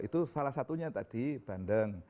dan itu salah satunya tadi bandeng